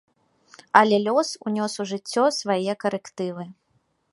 Але лёс унёс у жыццё свае карэктывы.